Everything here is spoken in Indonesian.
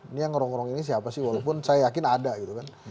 ini yang ngerong ngerong ini siapa sih walaupun saya yakin ada gitu kan